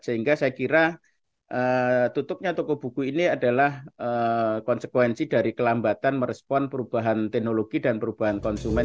sehingga saya kira tutupnya toko buku ini adalah konsekuensi dari kelambatan merespon perubahan teknologi dan perubahan konsumen